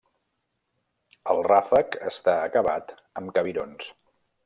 El ràfec està acabat amb cabirons.